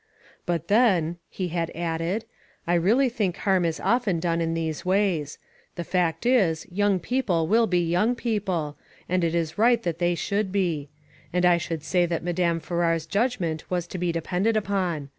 "But then," he had added, "I really think harm is often done in these ways. The fact is, young people will be young people, and it is right that they should be. 39O ONE COMMONPLACE DAY. And I should say that Madame Farrar's judgment was to be depended upon.